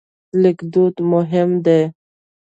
لیکدود مهم دی.